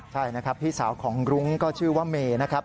ใช่นะครับพี่สาวของรุ้งก็ชื่อว่าเมนะครับ